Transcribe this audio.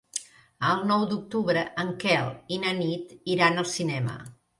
El nou d'octubre en Quel i na Nit iran al cinema.